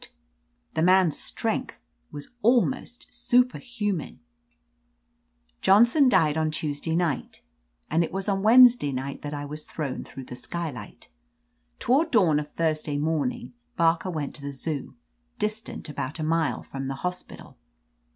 The man's strength was almost super human. 203 \ THE AMAZING ADVENTURES "Johnson died on Tuesday night, and it was on Wednesday night that I was thrown through the skylight Toward dawn of Thurs day morning. Barker went to the Zoo, distant about a mile from the hospital.